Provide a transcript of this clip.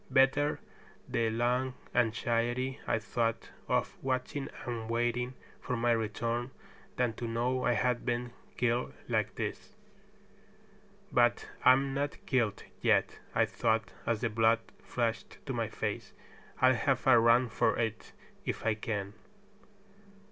Better the long anxiety, I thought, of watching and waiting for my return than to know I had been killed like this. "But I'm not killed yet," I thought, as the blood flushed to my face. "I'll have a run for it, if I can."